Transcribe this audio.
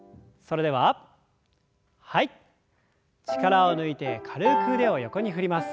力を抜いて軽く腕を横に振ります。